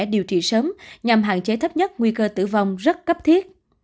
điều trị sớm nhằm hạn chế thấp nhất nguy cơ tử vong rất cấp thiết